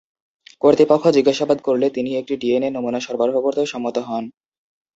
কর্তৃপক্ষ জিজ্ঞাসাবাদ করলে তিনি একটি ডিএনএ নমুনা সরবরাহ করতেও সম্মত হন।